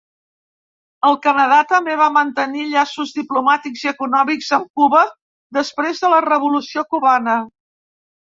El Canadà també va mantenir llaços diplomàtics i econòmics amb Cuba després de la Revolució Cubana.